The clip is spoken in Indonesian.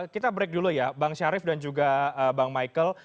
kita break dulu ya bang syarif dan juga bang michael